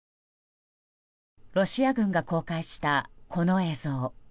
ロシア軍が公開した、この映像。